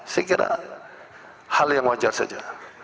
saya kira hal yang wajar saja